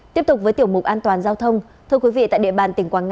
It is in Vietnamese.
theo thứ trưởng bộ